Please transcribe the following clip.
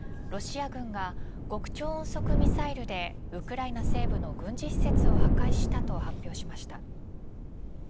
ロシア軍が極超音速ミサイルでウクライナ西部の軍事施設を破壊したと発表しました。